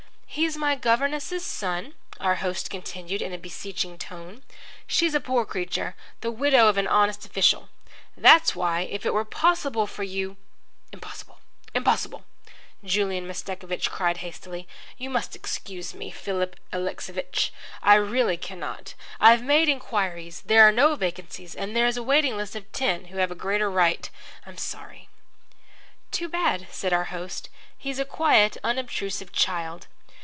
"He's my governess's son," our host continued in a beseeching tone. "She's a poor creature, the widow of an honest official. That's why, if it were possible for you " "Impossible, impossible!" Julian Mastakovich cried hastily. "You must excuse me, Philip Alexeyevich, I really cannot. I've made inquiries. There are no vacancies, and there is a waiting list of ten who have a greater right I'm sorry." "Too bad," said our host. "He's a quiet, unobtrusive child."